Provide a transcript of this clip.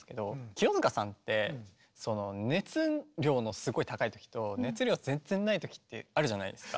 清塚さんって熱量のすごい高いときと熱量全然ないときってあるじゃないですか。